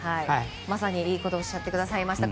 まさにいいことをおっしゃってくださいました。